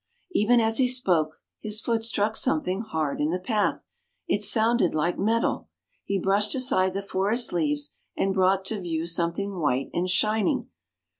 Even as he spoke, his foot struck some thing hard in the path. It sounded like metal. He brushed aside the forest leaves and brought to view something white and shining.